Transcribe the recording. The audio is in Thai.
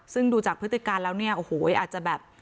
ซึ่งดูจากพฤติการแล้วเนี่ยโอ้โหอาจจะแบบ